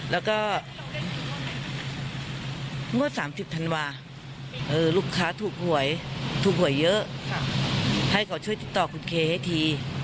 แล้วก็งวด๓๐ธันวาลูกค้าถูกหวยถูกหวยเยอะให้เขาช่วยติดต่อคุณเคให้ที